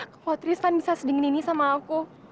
kalau tristan bisa sedingin ini sama aku